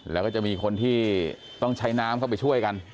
แล้วก็จะมีคนที่ต้องใช้น้ำเข้าไปช่วยกัน